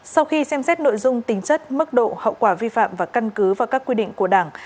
sau khi xem xét nội dung tính chất mức độ hậu quả vi phạm và căn cứ vào các quy định của đảng